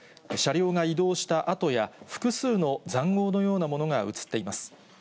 車両が移動した跡や複数のざんごうのようなものが映っています。